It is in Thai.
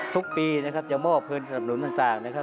ทุกปีจะมอบเพลินสนับหนุนต่าง